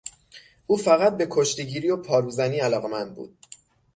او فقط به کشتیگیری و پاروزنی علاقمند بود.